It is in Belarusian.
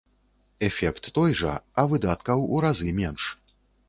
Эфект той жа, а выдаткаў у разы менш.